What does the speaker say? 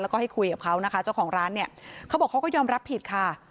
แล้วก็ให้คุยกับเขานะคะเจ้าของร้านเนี่ยเขาบอกเขาก็ยอมรับผิดค่ะ